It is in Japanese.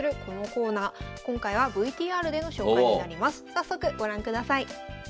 早速ご覧ください。